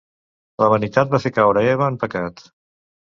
La vanitat va fer caure Eva en pecat.